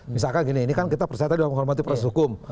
misalkan gini ini kan kita percaya tadi dalam menghormati proses hukum